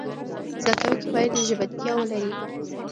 زده کوونکي باید ژمنتیا ولري.